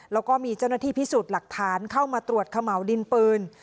แล้วก็มีเจ้าหน้าที่พิสูจน์หลักฐานเข้ามาตรวจเขม่าวดินปืน